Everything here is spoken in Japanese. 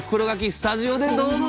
スタジオでどうぞ！